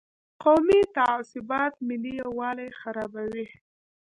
قومي تعصبات ملي یووالي خرابوي.